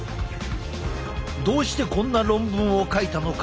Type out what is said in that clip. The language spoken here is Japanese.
どうしてこんな論文を書いたのか？